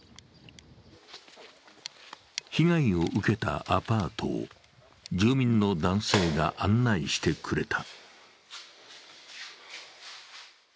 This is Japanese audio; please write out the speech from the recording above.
被害を受けたアパートを住民の男性が案内してくれた。